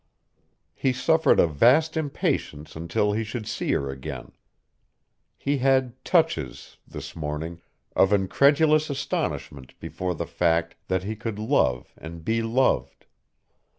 He suffered a vast impatience until he should see her again. He had touches, this morning, of incredulous astonishment before the fact that he could love and be loved.